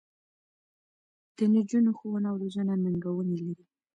د نجونو ښوونه او روزنه ننګونې لري.